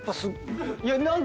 いや何か。